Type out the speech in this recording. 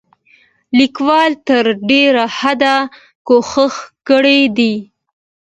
لیکوال تر ډېره حده کوښښ کړی دی،